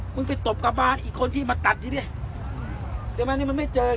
มึงไปตบกลับบ้านอีกคนที่มาตัดอย่างเงี้ยเดี๋ยวมันนี่มันไม่เจอไง